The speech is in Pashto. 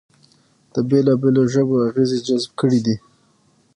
د بېلابېلو ژبو اغېزې جذب کړې دي